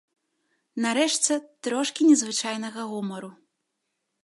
Нарэшце, трошкі незвычайнага гумару.